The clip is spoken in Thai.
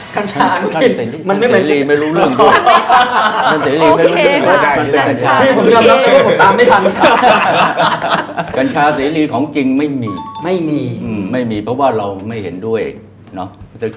กัญชานุทินมันไม่เหมือนกัญชาสีรีไม่รู้เรื่องด้วยมันเป็นกัญชาสีรีของจริงไม่มีเพราะว่าเราไม่เห็นด้วยเนอะ